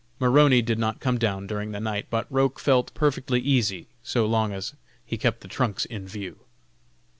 Maroney did not come down during the night, but Roch felt perfectly easy, so long as he kept the trunks in view.